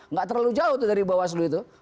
nggak terlalu jauh dari bawaslu itu